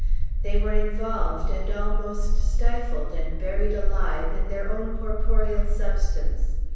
They were involved, and almost stifled and buried alive, in their own corporeal substance.